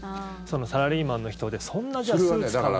サラリーマンの人でそんなスーツ買うとか。